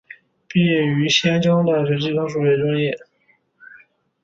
毕业于西安交通大学计算数学专业。